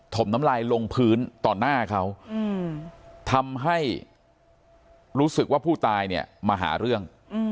มน้ำลายลงพื้นต่อหน้าเขาทำให้รู้สึกว่าผู้ตายเนี่ยมาหาเรื่อง